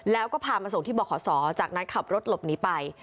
แล้วก็พามาส่งที่บขศจากนั้นขับรถหลบหนีไป